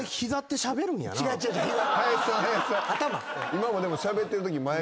今もしゃべってるとき。